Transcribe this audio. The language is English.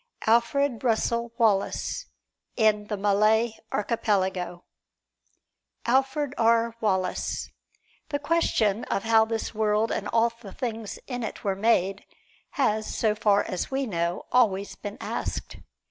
Alfred Russel Wallace, in "The Malay Archipelago" ALFRED R. WALLACE The question of how this world and all the things in it were made, has, so far as we know, always been asked.